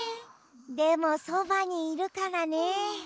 でもそばにいるからね。